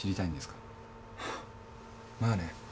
まあね。